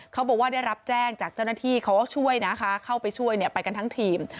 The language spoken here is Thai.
เขาบอกว่าได้รับแจ้งจากเจ้าหน้าที่เขาก็ช่วยนะคะเข้าไปช่วยเนี่ยไปกันทั้งทีม